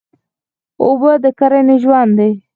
اوبه د کرنې ژوند دی.